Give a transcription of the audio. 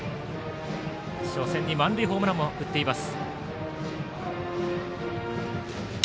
初戦に満塁ホームランを打っています。